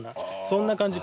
そんな感じ。